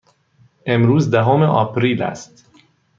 امروز دهم آپریل است.